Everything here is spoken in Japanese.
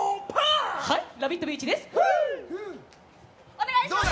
お願いします。